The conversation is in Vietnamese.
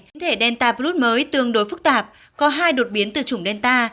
chủng thể delta blut mới tương đối phức tạp có hai đột biến từ chủng delta